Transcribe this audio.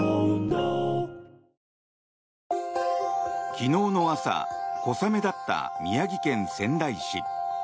昨日の朝小雨だった宮城県仙台市。